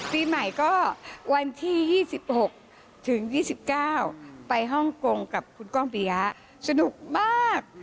ปีใหม่ก็วันที่๒๖ถึง๒๙ไปฮ่องกงกับคุณก้องปียะสนุกมาก